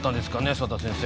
佐田先生